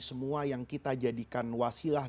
semua yang kita jadikan wasilah